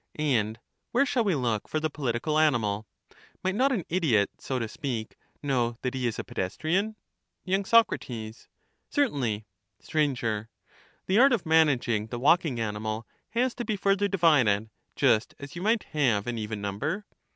And where shall we look for the f)olitical animal? Might not an idiot, so to speak, know that he is a pedestrian? y. Soc, Certainly. SUr. The art of managing the walking animal has to be further divided, just as you might halve an even number.